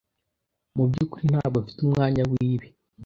Mu byukuri ntabwo mfite umwanya wibi.